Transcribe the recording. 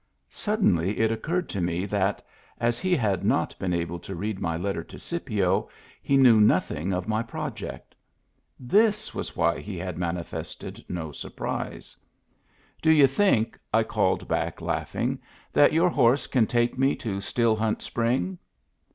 Suddenly it occurred to me that, as he had not been able to read my letter to Scipio, he knew nothing of my project. This was why he had manifested no surprise 1 " Do you think," I Digitized by Google THE GIFT HORSE 185 called back, laughing, " that your horse can take me to Still Hunt Spring